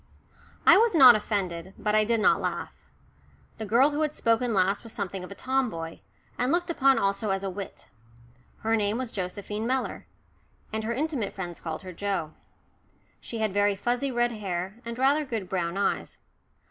I was not offended. But I did not laugh. The girl who had spoken last was something of a tomboy, and looked upon also as a wit. Her name was Josephine Mellor, and her intimate friends called her Joe. She had very fuzzy red hair, and rather good brown eyes.